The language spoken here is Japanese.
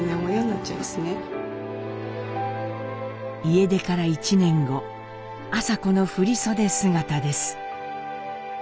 家出から１年後麻子の振り袖姿です。